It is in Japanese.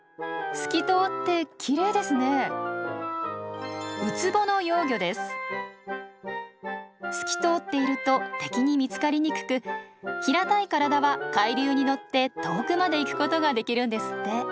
透き通っていると敵に見つかりにくく平たい体は海流に乗って遠くまで行くことができるんですって。